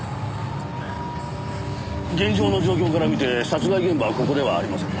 現場の状況から見て殺害現場はここではありません。